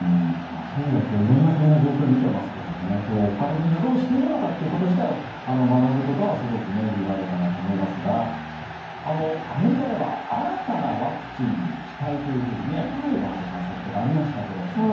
そういう意味では今日色んな国の状況を見てますけどもほかの国がどうしているのかということ自体を学ぶことはすごく意義があるかなと思いますがアメリカでは新たなワクチンに期待というふうに島本さん先ほどありましたけれども。